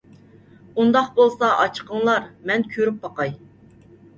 ئۇنداق بولسا ئاچىقىڭلار، مەن كۆرۈپ باقاي.